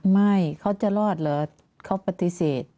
ไม่เขาจะรอดเหรอเขาปฏิเสธ